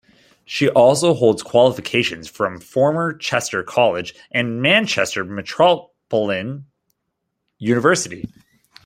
She also holds qualifications from the former Chester College and Manchester Metropolitan University.